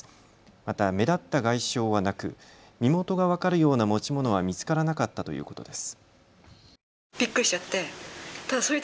また、目立った外傷はなく身元が分かるような持ち物は見つからなかったということです。